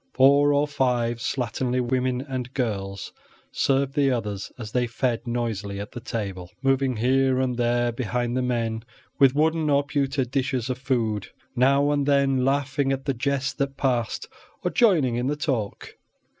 Four or five slatternly women and girls served the others as they fed noisily at the table, moving here and there behind the men with wooden or pewter dishes of food, now and then laughing at the jests that passed or joining in the talk.